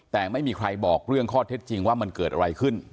แต่ไม่มีใครบอกเรื่องข้อเท็จจริงว่ามันเกิดอะไรขึ้น